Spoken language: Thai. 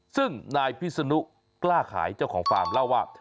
ซึ่งนายพิศนุกล้าขายเจ้าของฟาร์มเล่าว่า